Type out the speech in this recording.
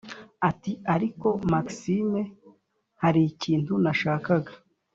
ati"ariko maxime harikintu nashakaga